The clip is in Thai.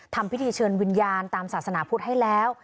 ทำพิธีเชิญวิญญาณตามศาสนาพุทธให้แล้ว